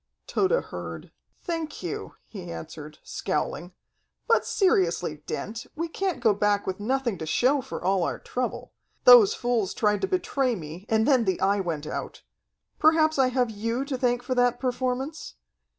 Tode heard. "Thank you," he answered, scowling. "But seriously, Dent, we can't go back with nothing to show for all our trouble. Those fools tried to betray me, and then the Eye went out. Perhaps I have you to thank for that performance?